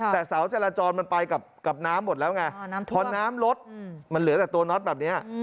แต่เสาจราจรมันไปกับน้ำหมดแล้วไงพอน้ำลดมันเหลือแต่ตัวน็อตแบบนี้